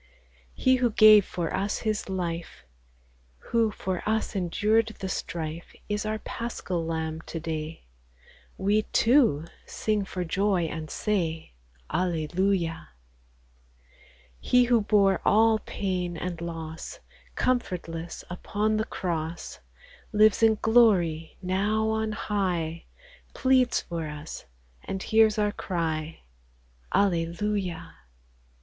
He who gave for us His life, Who for us endured the strife, Is our Paschal Lamb to day \ We, too, sing for joy, and say, — Alleluia ! He who bore all pain and loss, Comfortless upon the cross, Lives in glory now on high, Pleads for us, and hears our cry. Alleluia